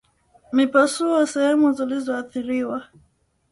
Mipasuko sehemu zilizoathiriwa